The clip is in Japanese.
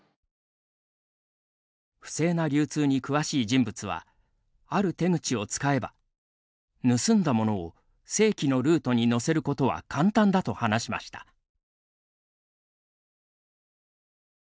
不正な流通に詳しい人物はある手口を使えば盗んだものを正規のルートに乗せることは簡単だと話しました。